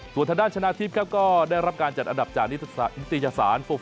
ส่วนทางด้านชนะทิพย์ครับก็ได้รับการจัดอันดับจากนิตยสาร